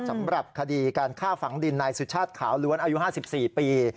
สำหรับคดีการฆ่าฝังดินนายสุชาติขาวล้วนอายุ๕๔ปี